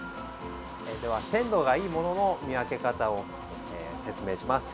では、鮮度がいいものの見分け方を説明します。